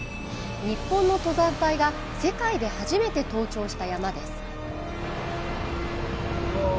日本の登山隊が世界で初めて登頂した山です。